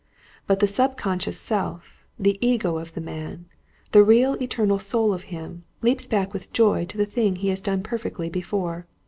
But the sub conscious self, the Ego of the man, the real eternal soul of him, leaps back with joy to the thing he has done perfectly before.